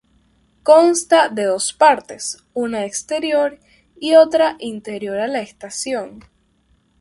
Consta de dos partes, una exterior y otra interior a la estación.